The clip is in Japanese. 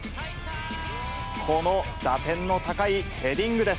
この打点の高いヘディングです。